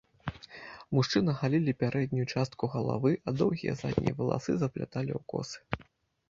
Мужчыны галілі пярэднюю частку галавы, а доўгія заднія валасы запляталі ў косы.